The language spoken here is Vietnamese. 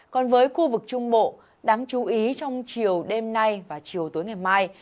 còn với khu vực trung bộ đáng chú ý trong chiều đêm nay và chiều tối ngày mai